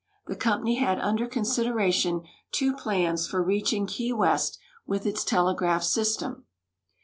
The company had under consideration two plans for reaching Key West with its telegraph system.